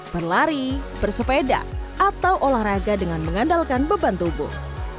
berlari bersepeda atau olahraga dengan mengandalkan beban tubuh